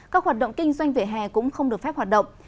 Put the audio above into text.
các hoạt động kinh doanh vệ hè cũng không được phép hoạt động